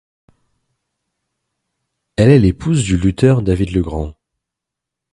Elle est l'épouse du lutteur David Legrand.